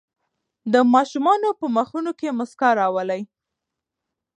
د ماشومانو په مخونو کې مسکا راولئ.